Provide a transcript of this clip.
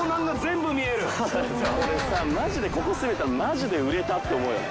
これさマジでここ住めたらマジで売れたって思うよね。